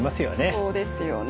そうですよね。